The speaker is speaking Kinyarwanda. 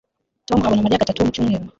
Tom abona Mariya gatatu mu cyumweru